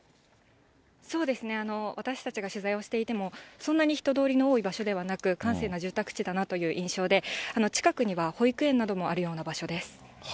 そうですね、私たちが取材をしていても、そんなに人通りの多い場所ではなく、閑静な住宅地だなという印象で、近くには保育園などもあるような場所です。